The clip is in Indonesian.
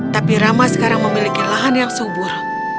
tapi rama sekarang memiliki lahan yang subur